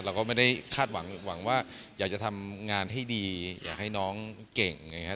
เราก็ไม่ได้คาดหวังว่าอยากจะทำงานให้ดีอยากให้น้องเก่งอย่างนี้